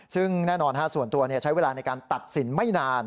ซึ่งแน่นอนส่วนตัวใช้เวลาในการตัดสินไม่นาน